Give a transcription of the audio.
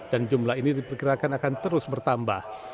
dan jumlah ini diperkirakan akan terus bertambah